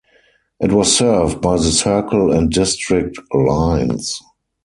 It was served by the Circle and District lines.